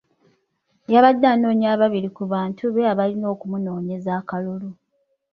Yabadde anoonya ababiri ku bantu be abalina okumunoonyeza akalulu.